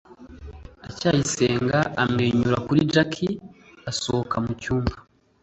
ndacyayisenga amwenyura kuri jaki asohoka mu cyumba